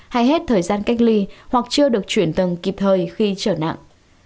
hay hết thời gian cách ly hoặc chưa được chuyển tầng kịp thời khi trở nặng